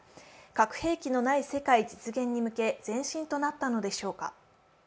「核兵器のない世界」実現に向け前進となったのでしょうか。